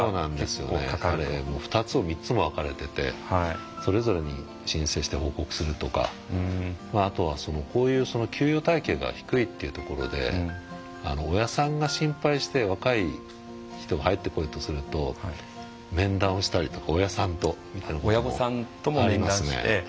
２つも３つも分かれててそれぞれに申請して報告するとかあとはこういう給与体系が低いっていうところで親さんが心配して若い人が入ってこようとすると面談をしたりとか親さんと。親御さんとも面談して。